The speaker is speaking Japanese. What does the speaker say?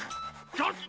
ちょっと！